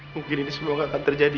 mungkin ini semua nggak akan terjadi